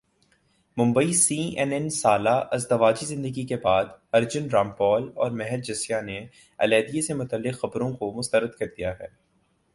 Mumbai C N N سالہ ازدواجی زندگی کے بعد ارجن رامپال اور مہر جسیہ نے علیحدگی سے متعلق خبروں کع مسترد کردیا ہے